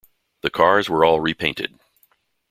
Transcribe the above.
The cars were all repainted.